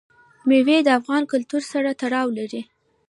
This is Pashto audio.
مېوې د افغان کلتور سره تړاو لري.